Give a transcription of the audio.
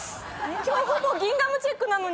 今日ほぼ「ギンガムチェック」なのに。